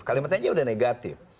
kalimatnya aja udah negatif